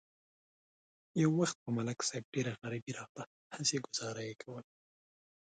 یو وخت په ملک صاحب ډېره غریبي راغله، هسې گذاره یې کوله.